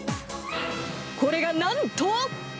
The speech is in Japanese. これがなんと。